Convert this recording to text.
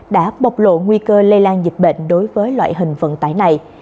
đã bộc lộ nguy cơ lây lan dịch bệnh đối với loại hình vận tải này